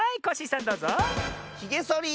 ひげそり！